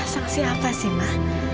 saksi apa sih ma